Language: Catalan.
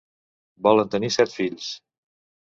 Varen tenir set fills.